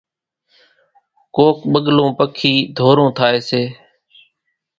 ڪَوڪَ ٻڳلون پکِي ڌورون ٿائيَ سي۔